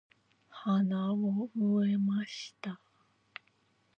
花を植えました。